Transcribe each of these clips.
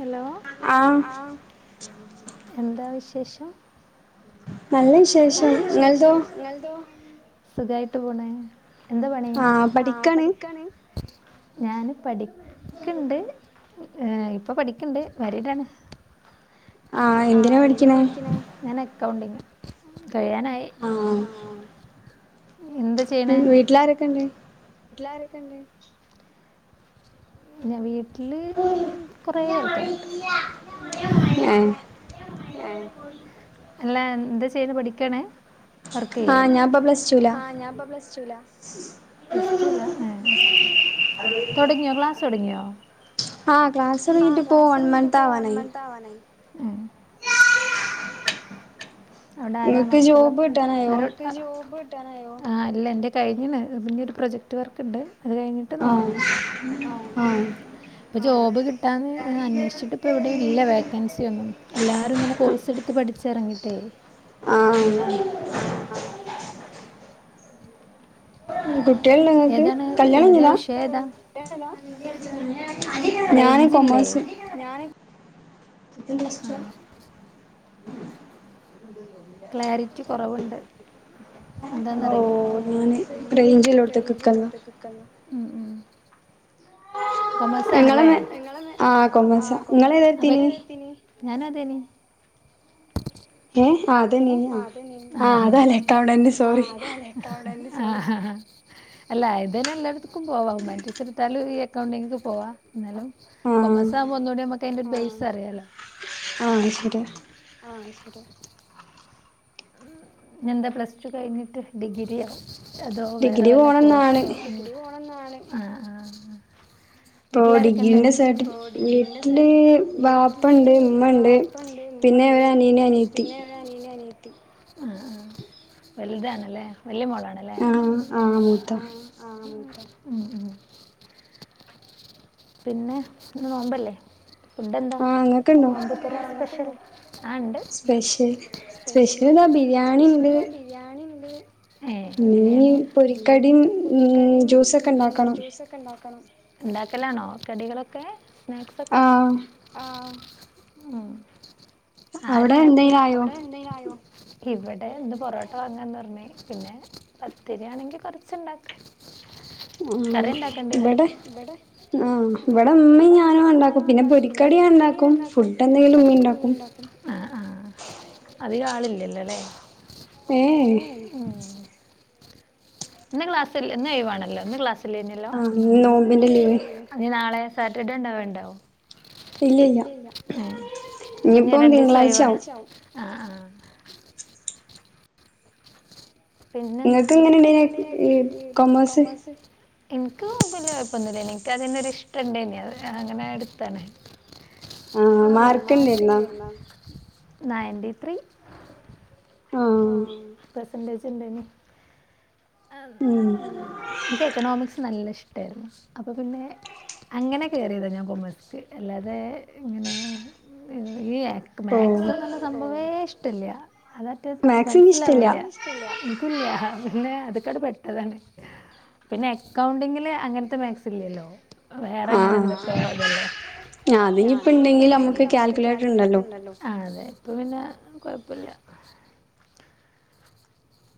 Hello ആ എന്താ വിശേഷം നല്ല വിശേഷം നിങ്ങൾതോ സുഖായിട്ട് പോണേ എന്താ പണി ആ പഠിക്കാണ് ഞാന് പഠിക്ക്ണ്ട്. അ ഇപ്പൊ പഠിക്കണ്ട് മാരീടാണ്. ആ എന്തിനാ പഠിക്കണെ ഞാൻ അക്കൗണ്ടിങ് കഴിയാനായി ആ വി വീട്ടിലാരൊക്കെ ഉണ്ട്. വീട്ടിൽ ആരൊക്കെയുണ്ട് ഞ വീട്ടില് കുറേ ആൾക്കാരുണ്ട്. അല്ല എന്താ ചെയ്യണാ പഠിക്കാണ് വർക്ക് ചെയ്യേ ആ ഞാൻ ഇപ്പൊ പ്ലസ് ടു ലാ പ്ലസ് ടൂലാ എ തുടങ്ങിയോ ക്ലാസ് തുടങ്ങിയോ. ആ ക്ലാസ് തുടങ്ങിട്ട് ഇപ്പോ വൺ മന്ത് ആവാനായി. മ്മ് അവിടെ ആരാ മക്കളൊക്കെ ആരോ ക്കെ കഴിയാറായോ ആഹ അല്ല എന്റെ കഴിഞ്ഞണ് പിന്നെ ഒരു പ്രൊജക്ട് വർക്ക് ഉണ്ട് അത് കഴിഞ്ഞിട്ട് നോക്കണം ആഹ് ഇപ്പോ ജോബ് കിട്ടാന്ന് അന്വേഷിച്ചിട്ട് ഇപ്പ എവിടെ ഇല്ല വേക്കൻസിന്നും എല്ലാവരും ഇങ്ങനെ കോഴ്സ് എടുത്ത് പഠിച്ച് ഇറങ്ങിട്ടേയ് ഫുല്ലാണ് ആഹ് കുട്ടികളില്ലേ ങ്ങക്ക് കല്യാണം കഴ്ഞ്ഞതാ ഞാന് കൊമേഴ്സ് ഇതന് ഇഷ്ടം ക്ലാരിറ്റി കുറവുണ്ട് എന്താന്നറിയില്ല ഓ റേഞ്ച് ഇള്ളോട്ത് ക്ക്ക്ന്നാ കൊമെഴ്സ് ആണല്ലേ ഇങ്ങൾ ആ കോമേഴ്‌സ് ഇങ്ങൾ ഇവിടെത്തിനിം ഞാനതേനി ഏ അതെ നീന ആ അതല്ലേക്കൗണ്ടി സോറി [unintelligible] ആഹ ഹാ ഹാ അല്ല ഇതായിന് എല്ലായിടത്തക്കും പോവാ ഹ്യൂമന്റിറ്റീസ്‌ എടുത്താലും ഈ അക്കൗണ്ടിക്ക് പോവാ ന്നാലും കൊമേഴ്സാകുമ്പോ ഒന്നൂടി നമ്മുക്ക് അന്റെ ഒരു ബേസ് അറിയാലോ ആഹ് ന്നട്ട് ഞെന്താ പ്ലസ് ടു കഴിഞ്ഞിട്ട് ഡിഗ്രിയ അതോ വേറെ വല്ല കോഴ്സോ ഡിഗ്രി ക്ക് പോണം ന്നാണ് ആഹ് ആഹ് വീട്ടിലാരൊക്കേണ്ട് ഇപ്പോൊ ഡിഗ്രീന്റെ സർട്ടിഫ്ക്കറ്റ് വീട്ടില് ബാപ്പണ്ട് മ്മണ്ട് പിന്നെ അനീന അനിയത്തി ആഹ് ആഹ് വലുതാണല്ലേ വല്ലിയ മോളാണല്ലേ ആ ആ ഉം ഉ പിന്നെ ഇന്ന് നോമ്പല്ലേ ഫുഡ് എന്താ നോമ്പ്തുറ സ്പെഷ്യൽ ആ ഇണ്ട് സ്പെഷ്യൽ സ്പെഷ്യൽ ബിരിയാണി ഇണ്ട് ഇനി നി പൊരിക്കടിമം ഉ ജ്യൂസൊക്കെ ഇണ്ടാക്കണം ഉണ്ടാക്കലാണോ കടികളൊക്കെ സ്നാക്സൊക്കെ ആഹ് ഉം ആരുണ്ടാക്കും അവിടെ എന്തേലും ആയോ ഇവിടെ ഇന്ന് പൊറോട്ട വാങ്ങാന്ന്റഞ്ഞു പിന്നെ പത്തിരിയാണെങ്കിൽ കുറച്ചുണ്ടാക്കാം കറി ഇണ്ടാക്കേണ്ടരും ആ് ഇവിടെമ്മയും ഞാനും ഉണ്ടാക്കും പിന്നെ പൊരി കടി ഞണ്ടാക്കും ഫുഡ് എന്തേലും ഇമ്മ ഇണ്ടാക്കും ആ ആ അതികം ആളില്ലലോലെ ഏ ഏഹ് ഇന്ന് ക്ലാസ്ല്ല ഇന്ന് ഒഴിവാണല്ലോ ഇന്ന് ക്ലാസ്സിലെനിലോ ആഹ് ഇന്ന് നോമ്പ് ഇനി നാളെ സാറ്റർഡേ ഇണ്ടാവലുണ്ടോ ഇല്ല ഇല്ല ഏഹ് അപ്പൊ രണ്ടീസം ഒഴിവാണ് ഇനി ബുധനാഴ്ച വും ആ ആഹ് പിന്നെന്താ ഇങ്ങക് എങ്ങനെ ഇണ്ടെനിം കൊമേഴ്സ് എനിക്ക് വല്യ കുഴപ്പലെനിം എനിക്ക് ആദ്യംനൊരു ഇഷ്ടണ്ടനി അങ്ങനെ എടുത്താണ് അങ്ങനെ പോണ് മാർക്ക്‌ ഇല്ലെനിയോ നയന്റി ത്രീ ആഹ് പ്രസൻ്റേജ് ഇണ്ടെനിം ആഹ് ഇന്ക് ഇക്കണോമിക്സ് നല്ല ഇഷ്ടൻടെനിം ഏഹ് അപ്പൊ പിന്നെ അങ്ങനെ കേറിയതാണ് ഞാൻ കൊമേഴ്സിക്ക് അല്ലാതെ പിന്നെ ഇങ്ങനെ ഈ മാത് സ്ന്ന് പറഞ്ഞ സംഭവേ ഇഷ്ടല്ല അതട്ട് മനസ്സിലാവില്ല എനിക്കും ഇഷ്ട്ടല്ല ഇൻക്കില്ല ശേ അത് പെട്ടതാണ് പിന്നെ അക്കൗണ്ടിങ്ങില് അങ്ങനത്തെ മാക്സ് ഇല്ലല്ലോ വേറെങ്ങനെ എന്തൊക്കോ അതല്ലേ അതിനിപ്പം ഇണ്ടെങ്കിൽ നമുക്ക് കാൽക്കുലേറ്റർ ഉണ്ടല്ലോെ ആ അതെ അപ്പ പിന്നെ കുഴപ്പമില്ല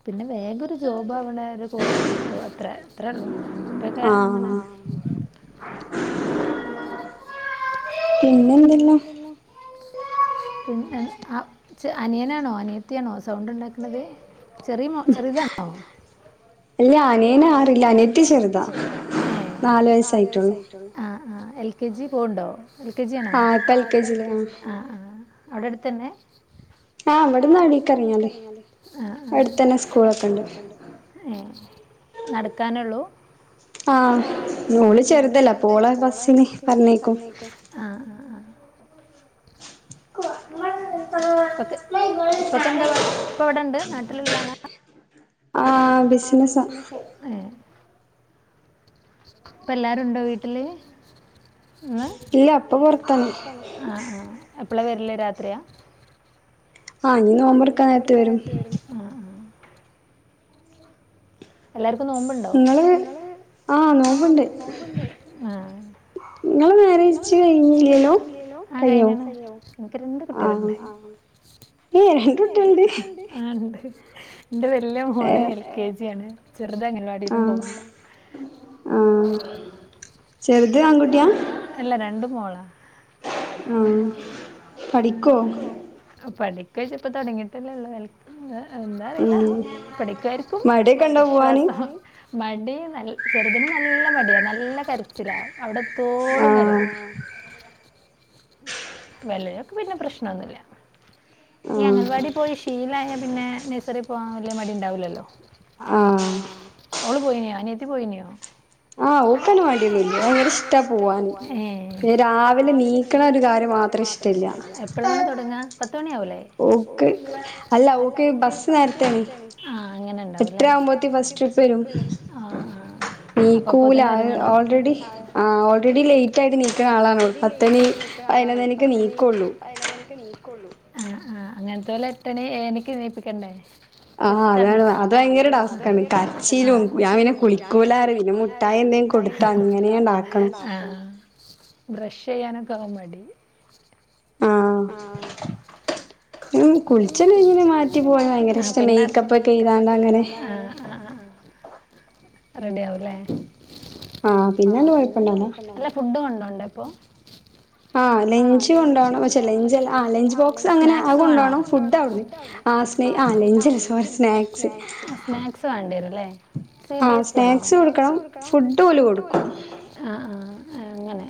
പിന്നെ വേഗം ഒരു ജോബ് ആവണ ഒരു കോഴ്സ് എടുത്തു അത്ര അത്ര ഉള്ളോ ഇപ്പൊക്കെ അങ്ങനാ പിന്നെന്തല്ല പിന്നെ അനിയനാണോ അനിയത്തിയാണോ സൗണ്ട് ഉണ്ടാക്കണന്നത് ചെറിയ ചെറുതാണോ അല്ല അല്ല അനിയൻ ആറില് അനിയത്തി ചെറുതാ നാല് വയസായിട്ടുള്ളു എൽ കെ ജി പോണ്ടോ എൽ കെ ജി ആണോ ആ ആ അവിടടുത്തന്നെ ആ അവിടന്ന് [unintelligible] ആ അടുത്തന്നെ സ്കൂളൊക്കണ്ട് നടക്കാനുള്ളൂ ആ ആഹ് നോള് ചെറുതല്ലേ അപ്പൊ ഓളെ ബസിന് പറഞ്ഞയക്കും ഇപ്പൊ ഇപ്പൊക്കെ എന്താ ഇപ്പ എവിടെണ്ട് നാട്ടിലുള്ള ആളാ ആ ബിസിനസാ ഇപ്പ എല്ലാരുംണ്ടോ വീട്ടില് ആ ആ ഇപ്പം പൊറത്താണ് ആ ആ എപ്പളാ വരൽ രാത്രിയാ ആ ഇന്ന് നോമ്പറക്കാനേരത്ത് വരും എല്ലാർക്കും നോമ്പ്ണ്ടോ ഇങ്ങളെ മേരേജ് കഴിഞ്ഞില്ലലോ ആ കഴിഞ്ഞാണ് എനിക്ക് രണ്ട് കുട്ടികളുണ്ട് ഏ രണ്ടു കുട്ടികളുണ്ട് എന്റെ വലിയ മോള് എൽ കെ ജി ആണ് ചെറുത് അംഗൻവാടിയിലും പോകണ്ട് ആ ചെറുത് ആൺകുട്ടിയ അല്ല രണ്ടും മോളാ ആ പഠിക്കോ പഠിക്കഴച്ച ഇപ്പ തുടങ്ങിട്ടല്ലേഉള്ളൂ എന്താ അറിയില്ല പഠിക്കുവായിരിക്കും വിശ്വാസം മടി ചെറുതിന് നല്ല മടിയാ നല്ല കരച്ചിലാ അവിടെ തോളുംങ്ങരയും വല്യോക്ക് പിന്നെ പ്രശ്നൊന്നുമല്ല ഈ അംഗൻവാടി പോയിശീലായ പിന്നെ നഴ്സറി പോകാൻ വലിയ മടി ഉണ്ടാവില്ലല്ലോ ആ അവള് പോയിനോ അനിയത്തി പോയിനോ ആ ഓക്കന് മടിയൊന്നുല്ലാ ഭയങ്കര ഇഷ്ടാ പോവാന് രാവിലെ നീക്കണ ഒരു കാര്യമാണ് അത്രഷ്ട്ടല്ലാ എപ്പോളാണ് തുടങ്ങാ പത്ത് മണി ആവൂലേ ഓക്ക് അല്ല ഓക്കെ ബസ് നേരത്തെ ആണ്‌ അങ്ങനെണ്ടാവുല്ലേ എട്ടരാകുമ്പോത്ത് ഫസ്റ്റ് ട്രിപ്പ് വരും ആ ആ അപ്പൊ അപ്പൊ തന്നെ ഒരുങ്ങണം ഓൾറെഡി ലേറ്റ് ആയിട്ട് നീക്കുന്ന ആളാണ്. പത്തണി പതിനൊന്നണൊക്കെ നീക്കുള്ളൂ. ആ ആ അങ്ങനത്തോ ലെ എട്ടണി എഴണിക്ക് നീ പിക്കണ്ടെ? ആഹ അതാണ് അത് ഭയങ്കരടാസ്‌ കരച്ചിലും ഞാൻ പിന്നെ കുളിക്കൂല അറി പിന്നെ മുട്ടായി എന്തെങ്കും കൊടുത്താ അങ്ങനെ ആക്കണം. ആ ബ്രഷ് ചെയ്യാനുക്കെമടി. ആ [unintelligible] ഉം കുളിച്ചട് കഴിഞ്ഞാ പിന്നെ മാറ്റിപോയി. പിന്നെ മൈക്ക പ്പ്ക്കെ ചൈതാണ്ട്. അങ്ങനെ ആ ആ ആ റെഡി ആവുലേ. അ പിന്നെ കൊയപണ്ടൂകൂലാ. അല്ല ഫുഡ് കൊണ്ടാണോ? ണ്ടപ്പോ? ആഹ ലഞ്ച് കൊണ്ടണം പക്ഷേ ആലഞ്ച് കൊണ്ടോണം ആ ലഞ്ച് ബോക്സ് അങ്ങനെ അത് കൊണ്ടോണം ഫുഡ് ആവിടന്ന് ആ സ് ആലഞ്ച് സ് സ്നാക്സ് മാണ്ടിരുംല്ലേ? സി ബി എസ് സി ആണോ? സ്നാക്സ് കൊടുക്കണം ഫുഡ് ഓല് കൊടുക്കും. ആഹ് ആഹ് അങ്ങനെ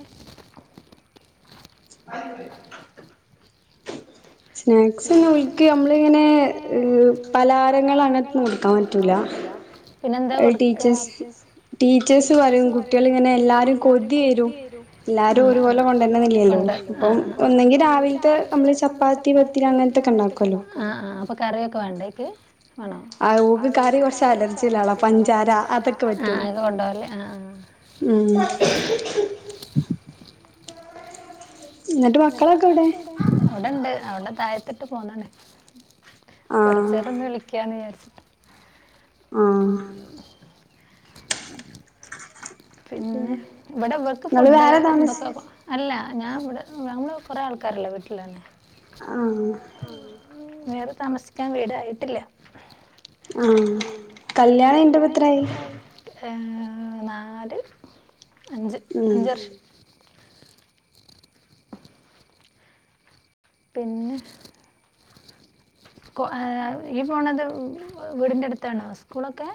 [unintelligible] സ്നാക്സ്ന്ന് ഓൽക്ക് നമ്മളിങ്ങനെ പലാരങ്ങൾ അങ്ങൻത്തൊന്നും കൊടുക്കാൻ പറ്റൂല. പിന്നെന്താ കൊടുക്കാ? ആഹ് ടീച്ചേയ്സ് ടീച്ചേഴ്സ് പറയും കുട്ടികളിങ്ങനെ എല്ലാരും കൊതി വരും. എല്ലാരും ഒരുപോലെ കൊണ്ടര്നന്നില്ലല്ലോ. അപ്പം ഒന്നെങ്കി രാവില്ത്തെ നമ്മള് ചപ്പാത്തി വെ ത്തി പത്തിരി അങ്ങനെത്തൊക്കെ ഇണ്ടാക്കും. ആഹ് ആഹ് അപ്പം കറിയ് ക്കെ വാണ്ടെ അയ്ക്ക്. വാണോ? ആഹ് ഓൾക്ക് കറി കൊർച്ച് അലർജില്ല ആളാ. പഞ്ചാര [unintelligible] കൊണ്ടോവല് ആഹ് ആഹ്. ഉം ഇന്നട്ട് മക്കളൊക്കെ എവിടെ? അവിടെണ്ട് അവിടെ താഴത്തിട്ട് പോന്നാണ്. കൊറച്ചേയ്രൊന്ന് വിളിക്കാന്ന് വിചാരിച് ആഹ് പിന്നെ. വടെ ഇവർക്ക് ഫുഡ് എന്തൊക്കെ അല്ല. അ ഞാൻ വടെ ഞങ്ങള് കുറെ ആൾക്കാരല്ലേ വീട്ടിലന്നെ. ആഹ് വേറെ താമസിക്കാൻ വീടായിട്ടില്ല. ആഹ്. കല്യാണം കഴിഞ്ഞിട്ട് ഇപ്പ എത്രായി? ഏഹ് നാല്. അഞ്ച് അഞ്ച് വർഷയ് പിന്നെ കൊ ഏഹ് ഈ പോണത് വ് വീടിന്റെ അടുത്താണോ സ്കൂളൊക്കെ?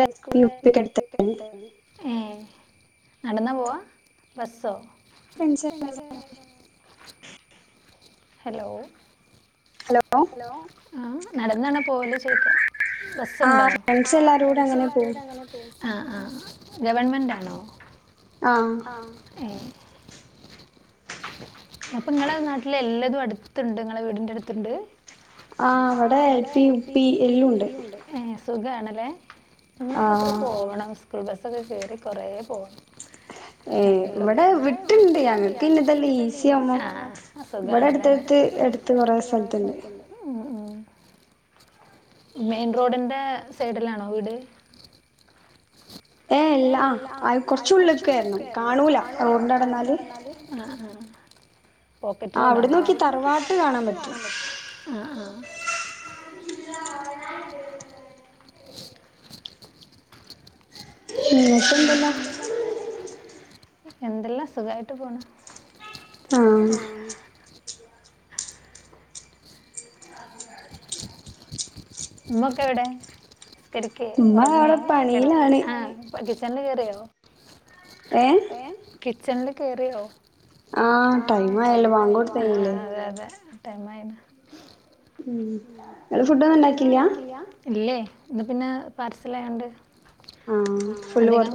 ഹൈസ്കൂള് യു പി ഒക്ക അട്ത്താണ്. ഏഹ് നടന്നാ പോവാ? ബസ്സോ. Hello hello. ആഹ് നടന്നാണ് പോല്ചേക്ക് ബസ്ണ്ടോ അഹ് ഫ്രണ്ട്‌സ് എല്ലരുടെ അങ്ങനെ പോ ആഹ് ആഹ് ഗവൺമെന്റണോ ആഹ് ഏ അപ്പ നിങ്ങളെ നാട്ടിലെ എല്ലാതും അടുത്ണ്ട് ങ്ങളെ വീടിന്റെടുത്ത്‌ണ്ട് ആഹ് അവിടെ എൽ പി ഉ പി എല്ലുണ്ട് സുഖണല്ലേ [unintelligible] ളൊക്കെ എത്ര പോവണം സ്കൂൾ ബസ്സൊക്കെ കെറി കൊറെ പോ ഏഹ് ഇവിടെ വിട്ട്ണ്ട് ഞങ്ങക്ക് ഇ [unintelligible] പിന്ന [unintelligible] സുഖണല്ലെ ഇവിടെടുത്തെടുത്ത് കൊറെ സ്ഥലത്ത്ണ്ട് മെയിൻ റോഡിന്റെ സൈഡിലാണോ വീട് ഏഹ് എല്ലാ അഹ് അൽ കൊർച്ചുള്ക്കെർണം കാണൂല റോഡിന്റവ്ടന്നാല് പോക്കറ്റ് റോഡവൂല്ലേ ആഹ് അവിടുനോക്കി തറവാട്ട് കാണാൻ പറ്റും [unintelligible] എന്തെല്ലാം സുഖായിട്ട് പോണ് ആ നമ്മക്കെ എവിടെ ക്കെ ഉറങ്ങി കെടകെ ചെന്ന് കേറിയോ ഏ കിച്ചണില് കയറിയോ ആ ടൈം ആയല്ലോ വ ഇല്ലേ ഇന്ന് പിന്നെ പാർസൽ ആയാോണ്ട് അധികം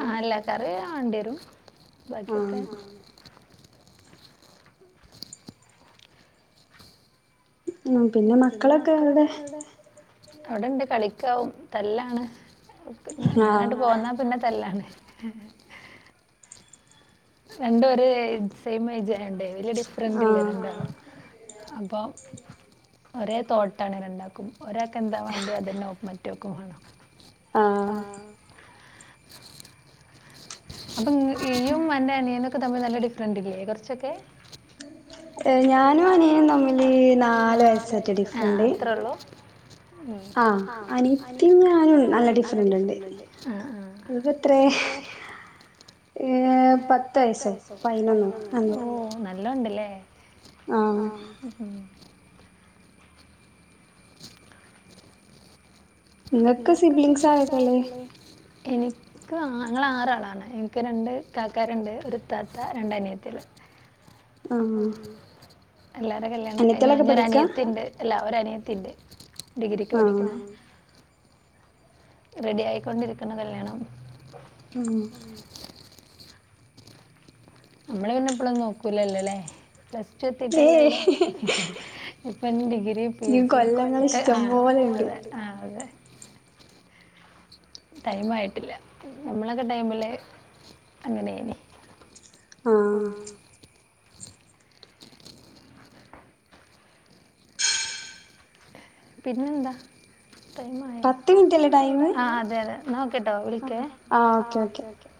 അം അല്ല വറെ വണ്ടി വരും ബാക്കിയൊക്കെ ഉ പിന്നെ മക്കളൊക്കെ എവിടെ അവിടെണ്ട് കളിക്കാവും തല്ലാണ് ഞാനായിട്ട് പോന്നാ പിന്നെ തല്ലാണ് ഉ രണ്ടും ഒരേ സെയിം ഏജ് ആയോണ്ടെ വലിയ ഡിഫറന്റ് ഇല്ല രണ്ടാളും അപ്പൊം ഒരേ തോട്ടാണ് രണ്ടാക്കും ഒരാൾക്കെന്താ വേണ്ടേ അതന്നെ മറ്റവക്കും വേണം ആ അപ്പൊ ഈയും അന്റെ അനിയനൊക്കെ തമ്മിൽ നല്ല ഡിഫറന്റ് ഇല്ലേ കുറച്ചൊക്കെ ഞാനും അനിയനും തമ്മില് നാലു വയസായിട്ട ഡിഫറന്റ് ആ അനിയത്തിയും നല്ല ഡിഫന്റ്ണ്ട് പത്ത് വയസോ പയിനോന്നോ ണ്ടല്ലേ ആ നിങ്ങൊക്കെ സിബ്ലിങ്സ് ആരൊക്കെയാള്ളെ എനിക്ക് ങ്ങ ആറാളാണ് എനിക്ക് രണ്ട് കാക്കാരുണ്ട് ഒരു ഇതാത്ത രണ്ട് അനിയത്തികള് [inaudible] എല്ലാരടെ കല്യാണം കഴിഞ്ഞ് ഇനൊരൂ അനിയത്തിണ്ട് എല്ലാം ഒരനിയത്തിണ്ട് ഡിഗ്രിക്ക് പഠിക്കണ് റെഡി ആയിക്കൊണ്ടിരിക്കണ് കല്യാണം നമ്മള പിന്നെ എപ്പളൊന്നും നോക്കൂലല്ലേ പ്ലസ് ടു എത്തിട്ടല്ലേല്ലേ ഇപ്പൊ ഡിഗ്രി പി എച്ച് ജിക്കെ ആ അതെ ആ അതെ ടൈം ആയിട്ടില്ല ഞമ്മളൊക്കെ ടൈമല്ലേ അങ്ങനെയാനി ആ പിന്നെന്താ ആ അതെ അതെ നാ കേട്ടോ വിളിക്ക ആ ഓക്കെ ഓക്കെ